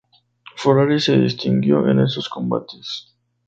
Ferrari se distinguió en esos combates.